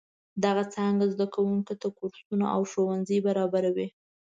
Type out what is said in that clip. دغه څانګه زده کوونکو ته کورسونه او ښوونځي برابروي.